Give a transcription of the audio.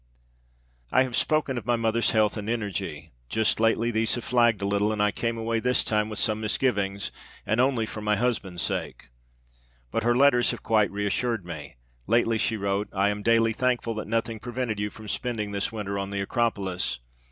I have spoken of my mother's health and energy. Just lately these have flagged a little, and I came away this time with some misgivings, and only for my husband's sake. But her letters have quite reassured me. Lately she wrote, 'I am daily thankful that nothing prevented you from spending this winter on the Acropolis.